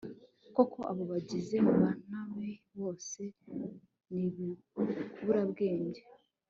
koko abo bagizi ba nabi bose ni ibiburabwenge